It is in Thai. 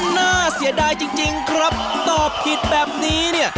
น่าเสียดายจริงครับตอบผิดแบบนี้เนี่ย